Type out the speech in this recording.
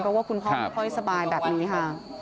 เพราะว่าคุณพ่อไม่ค่อยสบายแบบนี้ค่ะ